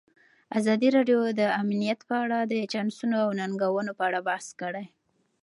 ازادي راډیو د امنیت په اړه د چانسونو او ننګونو په اړه بحث کړی.